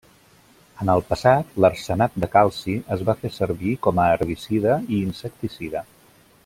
En el passat l'arsenat de calci es va fer servir com a herbicida i insecticida.